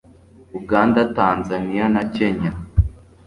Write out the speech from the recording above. Uganda, Tanzania na Kenya